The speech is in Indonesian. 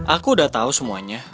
aku udah tau semuanya